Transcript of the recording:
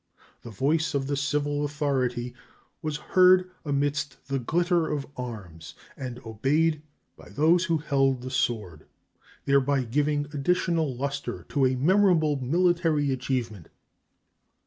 The voice of the civil authority was heard amidst the glitter of arms and obeyed by those who held the sword, thereby giving additional luster to a memorable military achievement.